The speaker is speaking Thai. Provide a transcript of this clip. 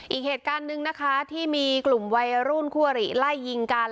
อีกเหตุการณ์หนึ่งนะคะที่มีกลุ่มวัยรุ่นคู่อริไล่ยิงกัน